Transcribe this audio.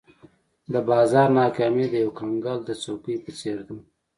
د بازار ناکامي د یو کنګل د څوکې په څېر ده.